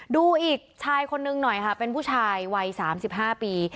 ดูอีกชายคนนึงหน่อยค่ะเป็นผู้ชายวัย๓๕ปี